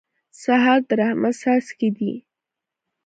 سهار د رحمت څاڅکي دي.